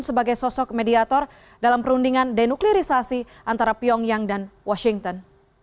sebagai sosok mediator dalam perundingan denuklirisasi antara pyongyang dan washington